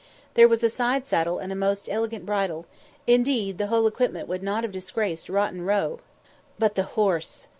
There was a side saddle and a most elegant bridle; indeed, the whole equipment would not have disgraced Rotten Row. But, the horse!